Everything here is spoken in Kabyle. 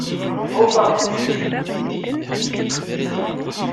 Bḍut-aɣ-t-id.